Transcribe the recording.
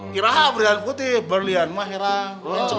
kira kira berlian putih berlian mah herang